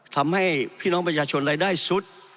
ทำให้พี่น้องประชาชนรายได้สุด